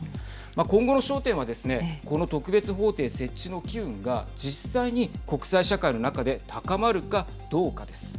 今後の焦点はですねこの特別法廷設置の機運が実際に国際社会の中で高まるかどうかです。